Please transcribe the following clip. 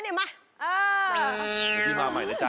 อันนี้มาใหม่เลยจ๊ะ